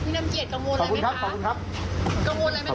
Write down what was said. พี่นำเกียจกังวลเลยไหมคะขอบคุณครับขอบคุณครับ